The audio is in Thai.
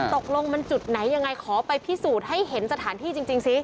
ตกลงมันจุดไหนยังไงขอไปพิสูจน์ให้เห็นสถานที่จริงซิ